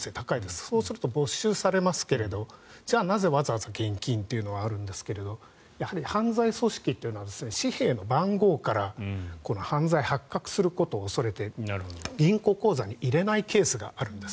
そうすると没収されますがじゃあなぜわざわざ現金というのはありますがやはり犯罪組織というのは紙幣の番号からこの犯罪が発覚することを恐れて銀行口座に入れないケースもあるんです。